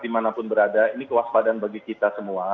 dimanapun berada ini kewaspadaan bagi kita semua